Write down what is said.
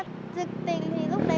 dịch tình thì lúc đấy con cũng hơi sợ